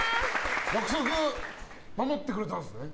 約束、守ってくれたんですね？